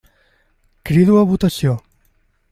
Crido a votació.